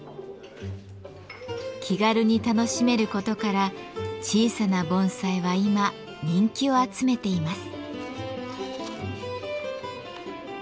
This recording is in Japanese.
気軽に楽しめることから小さな盆栽は今人気を集めています。